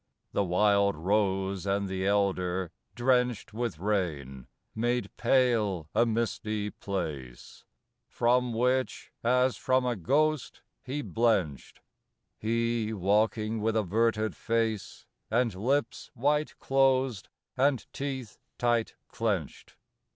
The wild rose and the elder, drenched With rain, made pale a misty place, From which, as from a ghost, he blenched; He walking with averted face, And lips white closed and teeth tight clenched.